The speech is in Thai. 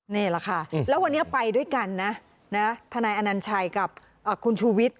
นี่แหละค่ะแล้ววันนี้ไปด้วยกันนะทนายอนัญชัยกับคุณชูวิทย